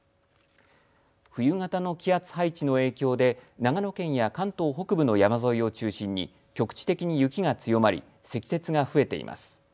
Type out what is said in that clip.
冬型の気圧配置の影響で長野県や関東北部の山沿いを中心に局地的に雪が強まり積雪が増えています。